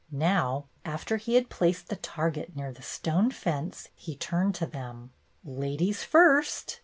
Now, after he had placed the target near the stone fence, he turned to them. "Ladies first!"